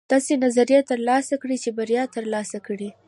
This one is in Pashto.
داسې نظریې ترلاسه کړئ چې بریا ترلاسه کړئ.